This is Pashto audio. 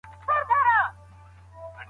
د بحرونو اوبه به د تودوخې له امله وچیږي.